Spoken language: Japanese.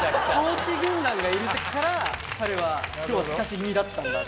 地軍団がいるから彼は今日はスカし気味だったんだと。